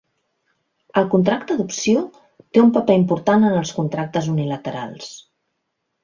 El contracte d'opció té un paper important en els contractes unilaterals.